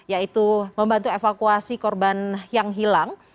yaitu membantu evakuasi korban yang hilang